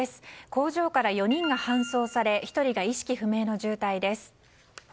工場から４人が搬送され１人が意識不明の重体です。